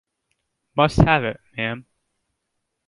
Must have it, ma'am.